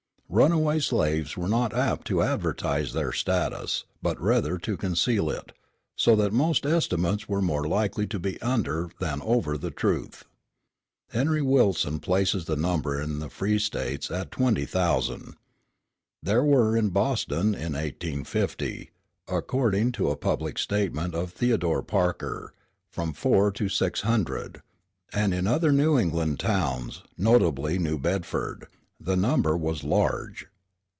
Runaway slaves were not apt to advertise their status, but rather to conceal it, so that most estimates were more likely to be under than over the truth. Henry Wilson places the number in the free States at twenty thousand. There were in Boston in 1850, according to a public statement of Theodore Parker, from four to six hundred; and in other New England towns, notably New Bedford, the number was large.